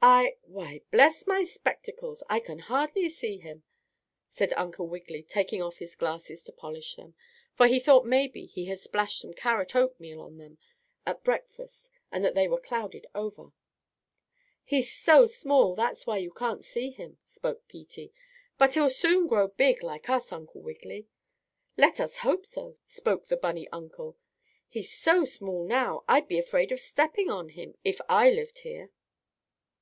"I why, bless my spectacles I can hardly see him!" said Uncle Wiggily, taking off his glasses to polish them, for he thought maybe he had splashed some carrot oatmeal on them at breakfast and that they were clouded over. "He's so small, that's why you can't see him," spoke Peetie. "But he'll soon grow big like us, Uncle Wiggily." "Let us hope so," spoke the bunny uncle. "He's so small now I'd be afraid of stepping on him if I lived here."